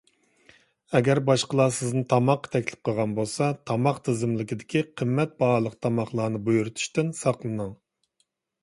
ئەگەر باشقىلار سىزنى تاماققا تەكلىپ قىلغان بولسا، تاماق تىزىملىكىدىكى قىممەت باھالىق تاماقلارنى بۇيرۇتۇشتىن ساقلىنىڭ.